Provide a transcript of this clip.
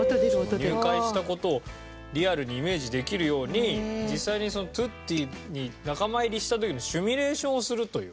入会した事をリアルにイメージできるように実際にｔｕｔｔｉに仲間入りした時のシミュレーションをするという。